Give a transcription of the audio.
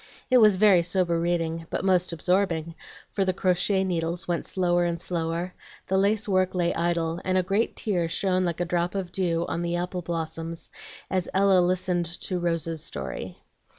It was very sober reading, but most absorbing; for the crochet needles went slower and slower, the lace work lay idle, and a great tear shone like a drop of dew on the apple blossoms as Ella listened to "Rose's Story."